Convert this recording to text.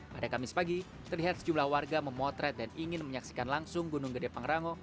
pada kamis pagi terlihat sejumlah warga memotret dan ingin menyaksikan langsung gunung gede pangrango